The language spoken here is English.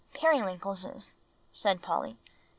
"Periwinkleses," said Polly.